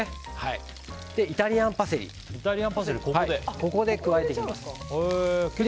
イタリアンパセリをここで加えていきます。